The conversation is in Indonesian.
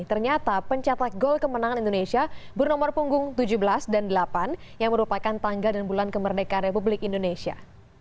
ternyata pencatat gol kemenangan indonesia bernomor punggung tujuh belas dan delapan yang merupakan tangga dan bulan kemerdekaan republik indonesia